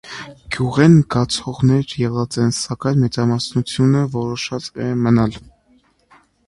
Գիւղէն գացողներ եղած են, սակայն մեծամասնութիւնը որոշած է մնալ։